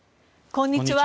こんにちは。